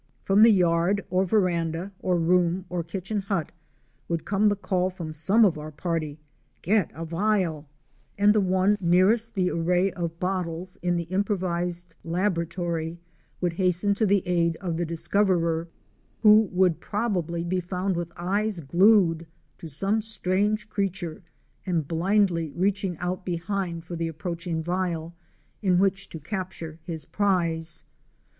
From the yard, or veranda, or room, or kitchen hut, would come the call from some of our party, '' Get a vial!' and the 210 OUR SEARCH FOR A WILDERNESS. one nearest the array of bottles in the improvised laboratory would hasten to the aid of the discoverer, who would prob ably be found with eyes glued to some strange creature and blindly reaching out behind for the approaching vial, in which to capture his prize.